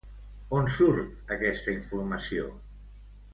On surt aquesta informació?